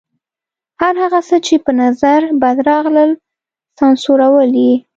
هر هغه څه چې په نظر بد راغلل سانسورول یې.